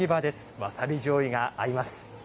ワサビじょうゆが合います。